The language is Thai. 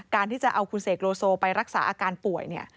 การที่จะเอาคุณเสกโลโซไปรักษาอาการป่วย